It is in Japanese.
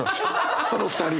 その２人は。